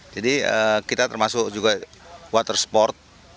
jadi kita termasuk juga water sport